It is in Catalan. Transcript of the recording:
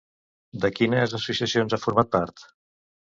De quines associacions ha format part?